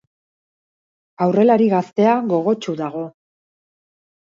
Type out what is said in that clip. Aurrelari gaztea gogotsu dago.